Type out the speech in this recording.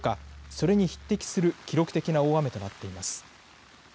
それに匹敵する記録的な大雨となっています。